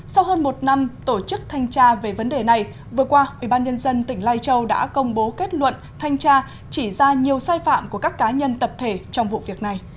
sau hơn một năm tổ chức thanh tra về vấn đề này vừa qua ubnd tỉnh lai châu đã công bố kết luận thanh tra chỉ ra nhiều sai phạm của các cá nhân tập thể trong vụ việc này